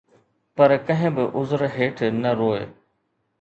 پر ڪنهن به عذر هيٺ نه روءِ